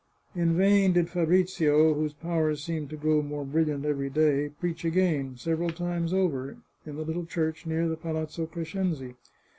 In vain did Fabrizio, whose powers seemed to grow more brilliant every day, preach again, several times over, in the little church near the Palazzo Crescenzi.